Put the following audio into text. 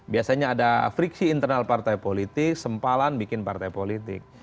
biasanya ada friksi internal partai politik sempalan bikin partai politik